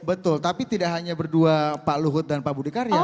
betul tapi tidak hanya berdua pak luhut dan pak budi karya